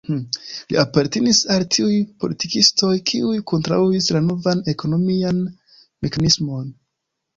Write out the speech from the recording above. Li apartenis al tiuj politikistoj, kiuj kontraŭis la novan ekonomian mekanismon.